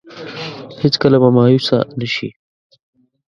هېڅ کله به مايوسه نه شي.